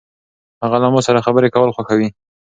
هغه له ما سره خبرې کول خوښوي.